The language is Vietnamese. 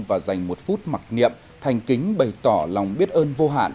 và dành một phút mặc niệm thành kính bày tỏ lòng biết ơn vô hạn